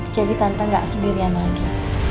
tante gak sendirian lagi